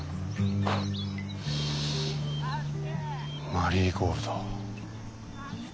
マリーゴールド。